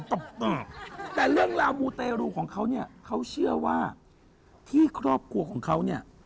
ตอบแต่เรื่องราวมูเตรูของเขาเนี่ยเขาเชื่อว่าที่ครอบครัวของเขาเนี่ย